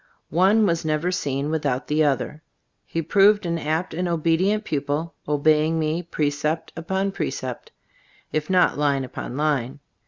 One was never seen without the other. He proved an apt and obedient pupil, obeying me precept upon precept, if not line upon line.